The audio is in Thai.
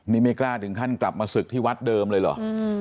นี่ไม่กล้าถึงขั้นกลับมาศึกที่วัดเดิมเลยเหรอ